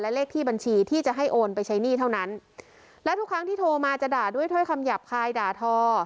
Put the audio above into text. และเลขที่บัญชีที่จะให้โอนไปใช้หนี้เท่านั้นและทุกครั้งที่โทรมาจะด่าด้วยถ้อยคำหยาบคายด่าทอ